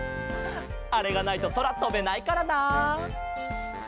あれがないとそらとべないからな。